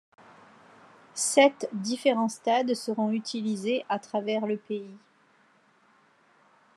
Sept différents stades seront utilisés à travers le pays.